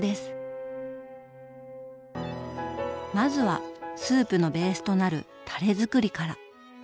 まずはスープのベースとなるタレづくりから。